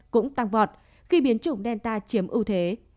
cũng tăng vọt khi biến chủng delta chiếm ưu thế